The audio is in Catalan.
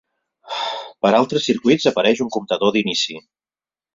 Pels altres circuits, apareix un comptador d'inici.